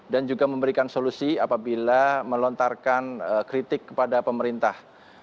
dan juga memberikan solusi apabila melontarkan kritik kepada pemerintah